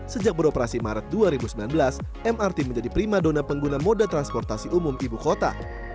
sejak beroperasi maret dua ribu sembilan belas mrt menjadi prima dona pengguna moda transportasi umum ibu kota